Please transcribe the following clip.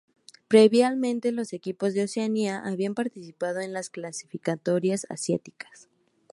Previamente, los equipos de Oceanía habían participado en las clasificatorias asiáticas.